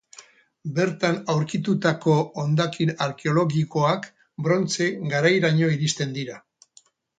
Bertan aurkitutako hondakin arkeologikoak brontze garairaino iristen dira.